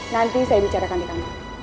nanti saya bicarakan di kami